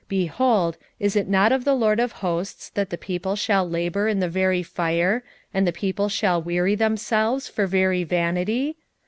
2:13 Behold, is it not of the LORD of hosts that the people shall labour in the very fire, and the people shall weary themselves for very vanity?